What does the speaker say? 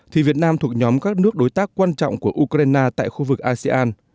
thì việt nam thuộc nhóm các nước đối tác quan trọng của ukraine tại khu vực asean